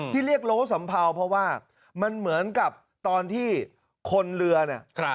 ที่เรียกโล้สัมเภาเพราะว่ามันเหมือนกับตอนที่คนเรือเนี่ย